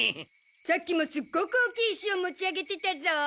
さっきもすっごく大きい石を持ち上げてたゾ。